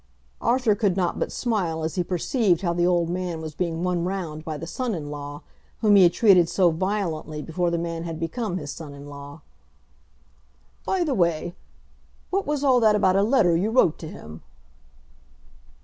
Arthur could not but smile as he perceived how the old man was being won round by the son in law, whom he had treated so violently before the man had become his son in law. "By the way, what was all that about a letter you wrote to him?"